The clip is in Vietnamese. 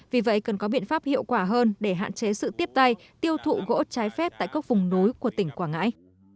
vì vậy cần có biện pháp hiệu quả hơn để hạn chế sự tiếp tay tiêu thụ gỗ trái phép tại các vùng núi của tỉnh quảng ngãi